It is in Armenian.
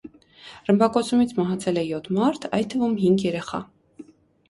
Ռմբակոծումից մահացել է յոթ մարդ, այդ թվում հինգ երեխա։